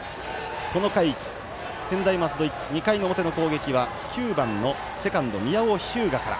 この回、専大松戸２回の表の攻撃は９番のセカンド、宮尾日向から。